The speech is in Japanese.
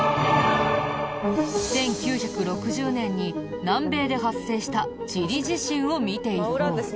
１９６０年に南米で発生したチリ地震を見ていこう。